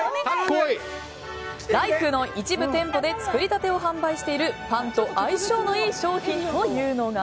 ライフの一部店舗で作りたてを販売しているパンと相性のいい商品というのが。